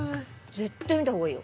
絶対見たほうがいいよ。